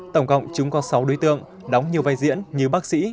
tổng cộng chúng có sáu đối tượng đóng nhiều vai diễn như bác sĩ